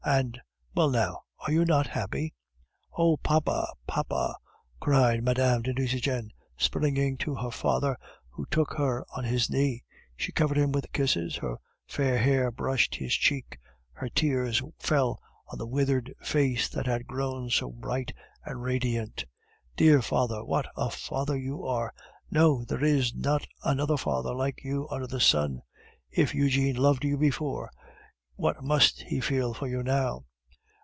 and well, now, are you not happy?" "Oh papa! papa!" cried Mme. de Nucingen, springing to her father, who took her on his knee. She covered him with kisses, her fair hair brushed his cheek, her tears fell on the withered face that had grown so bright and radiant. "Dear father, what a father you are! No, there is not another father like you under the sun. If Eugene loved you before, what must he feel for you now?"